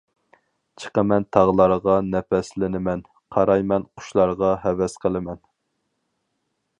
چىقىمەن تاغلارغا نەپەسلىنىمەن، قارايمەن قۇشلارغا ھەۋەس قىلىمەن.